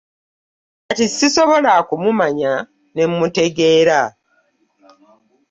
Kati ssisobola na kumumanya ne mmutegeera.